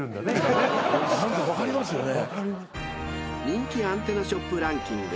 ［人気アンテナショップランキング